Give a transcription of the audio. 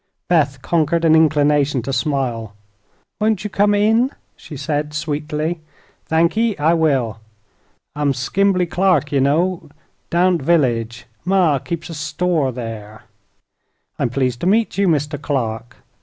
Beth conquered an inclination to smile. "Won't you come in?" she said, sweetly. "Thankee; I will. I'm Skimbley Clark, ye know; down t' the village. Ma keeps a store there." "I'm pleased to meet you, Mr. Clark.